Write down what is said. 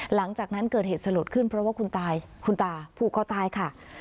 หลังจากนั้นเกิดเหตุสลดขึ้นเพราะว่าคุณตาผูกคอตายค่ะ